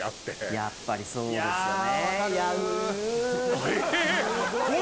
やっぱりそうですよね。